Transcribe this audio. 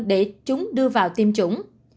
để chúng đưa vào tiêm chủng